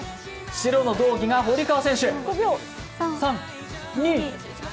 白の道着が堀川選手。